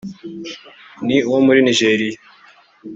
ni Uwo muri Nigeriya